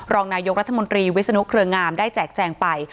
รองนายกรัฐมนตรีวิศนุเครืองามได้แจกแจงไป